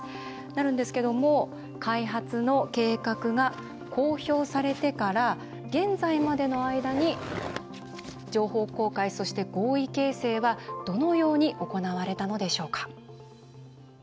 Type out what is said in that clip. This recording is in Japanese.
なるんですけども開発の計画が公表されてから現在までの間に情報公開そして合意形成はどのように行われたのでしょうか。